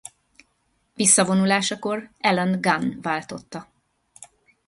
Visszavonulásakor Allan Gunn váltotta.